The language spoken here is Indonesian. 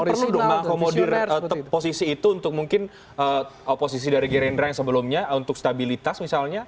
artinya jokowi perlu dong mengkomodir posisi itu untuk mungkin oposisi dari gerendra yang sebelumnya untuk stabilitas misalnya